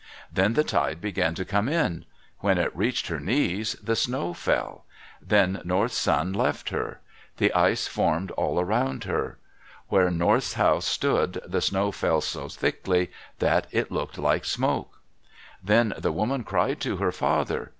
Then the tide began to come in. When it reached her knees, the snow fell. Then North's son left her. The ice formed all around her. Where North's house stood the snow fell so thickly that it looked like smoke. Then the woman cried to her father.